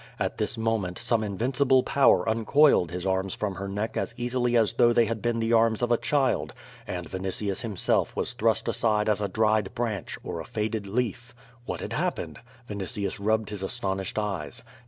At this moment, some invincible power uncoiled his arms from her neck as easily as though they had been the arms of a child, and Vinitius himself was thrust aside as a dried branch, or a faded leaf. What had happened? Vini tius rubbed his astonished eyes.